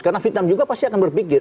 karena vietnam juga pasti akan berpikir